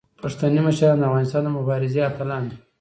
پښتني مشران د افغانستان د مبارزې اتلان دي.